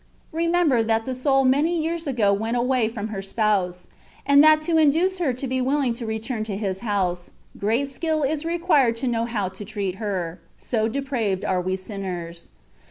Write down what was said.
Remember, that the soul many years ago went away from her Spouse, and that to induce her to be willing to return to His house, great skill is required to know how to treat her, so depraved are we sinners.